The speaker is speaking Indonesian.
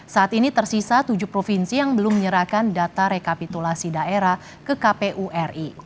saat ini tersisa tujuh provinsi yang belum menyerahkan data rekapitulasi daerah ke kpu ri